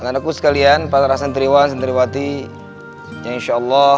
dengan aku sekalian para sentriwan sentriwati yang insyaallah